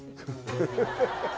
ハハハハ！